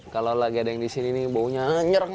kalau lagi ada yang di sini nih baunya anyer